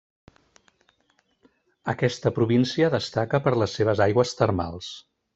Aquesta província destaca per les seves aigües termals.